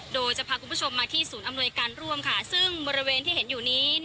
โดยจะพาคุณผู้ชมมาที่ศูนย์อำนวยการร่วมค่ะซึ่งบริเวณที่เห็นอยู่นี้